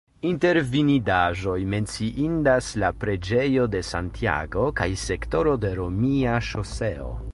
Inter vidindaĵoj menciindas la preĝejo de Santiago kaj sektoro de romia ŝoseo.